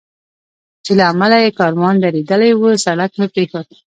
چې له امله یې کاروان درېدلی و، سړک مې پرېښود.